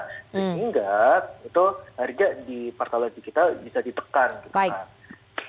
sehingga itu harga di pertalite kita bisa ditekan gitu kan